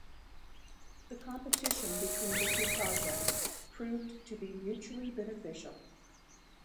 The competition between the two projects proved to be mutually beneficial.